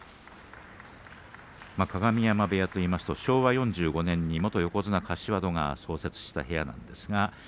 鏡山部屋といいますと昭和４５年に元柏戸が創設した部屋です。